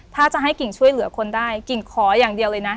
ถ้าจะให้กิ่งช่วยเหลือคนได้กิ่งขออย่างเดียวเลยนะ